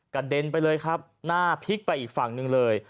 เด็นไปเลยครับหน้าพลิกไปอีกฝั่งหนึ่งเลย